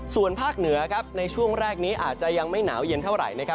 ส่วนภาคเหนือในช่วงแรกนี้อาจจะยังไม่หนาวเย็นเท่าไหร่